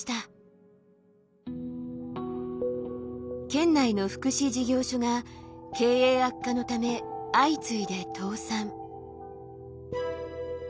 県内の福祉事業所が経営悪化のため相次いで倒産。